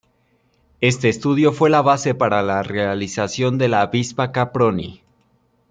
Este estudio fue la base para la realización de la Avispa-Caproni.